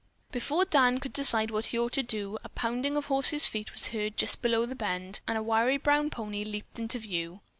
Before Dan could decide what he ought to do, a pounding of horse's feet was heard just below the bend, and a wiry brown pony leaped into view.